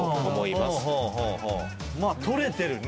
まぁ取れてるね。